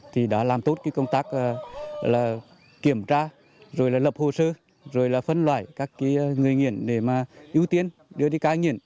thì đã làm tốt công tác kiểm tra lập hồ sơ phân loại các người nghiện để ưu tiên đưa đi cai nghiện